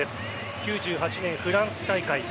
９８年フランス大会